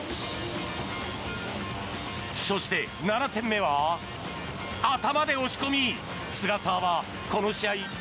そして、７点目は頭で押し込み菅澤はこの試合